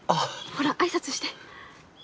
ほら挨拶して。